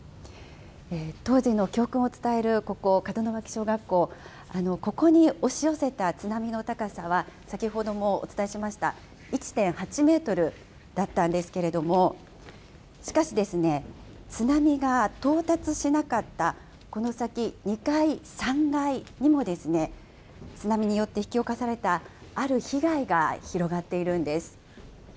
当時の教訓を伝える、ここ、門脇小学校、ここに押し寄せた津波の高さは、先ほどもお伝えしました、１．８メートルだったんですけれども、しかし、津波が到達しなかったこの先、２階、３階にも、津波によって引き起こされたある被害が広がっているんです。